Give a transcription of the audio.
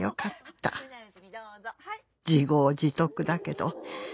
「自業自得だけど」